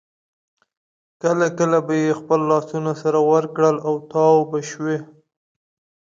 کله کله به یې خپل لاسونه سره ورکړل او تاو به شوې.